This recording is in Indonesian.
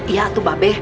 iya tuh babe